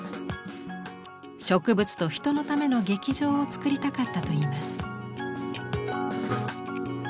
「植物と人のための劇場」を作りたかったといいます。